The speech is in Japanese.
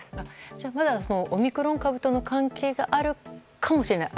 じゃあ、まだオミクロン株との関係があるかもしれない。